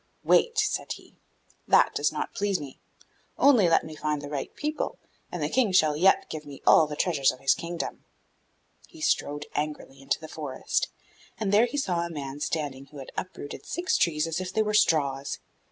'Wait,' he said; 'that does not please me; only let me find the right people, and the King shall yet give me all the treasures of his kingdom.' He strode angrily into the forest, and there he saw a man standing who had uprooted six trees as if they were straws.